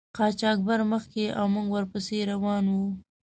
قاچاقبر مخکې او موږ ور پسې روان وو.